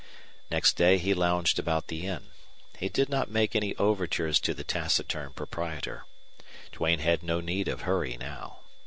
Next day he lounged about the inn. He did not make any overtures to the taciturn proprietor. Duane had no need of hurry now.